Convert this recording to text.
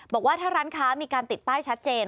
บอกว่าถ้าร้านค้ามีการติดป้ายชัดเจน